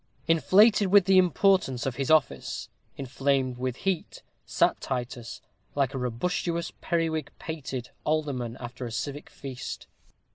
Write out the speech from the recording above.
Inflated with the importance of his office, inflamed with heat, sat Titus, like a "robustious periwig pated" alderman after a civic feast.